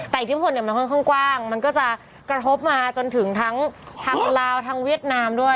แต่อิทธิพลเนี่ยมันค่อนข้างกว้างมันก็จะกระทบมาจนถึงทั้งทางลาวทางเวียดนามด้วย